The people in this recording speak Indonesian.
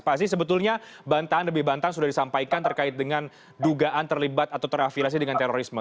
pak aziz sebetulnya bantahan lebih bantahan sudah disampaikan terkait dengan dugaan terlibat atau terafilasi dengan terorisme